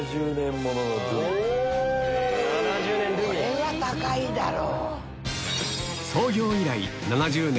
これは高いだろ。